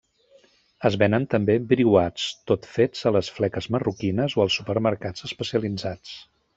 Es venen també briuats tot fets a les fleques marroquines o als supermercats especialitzats.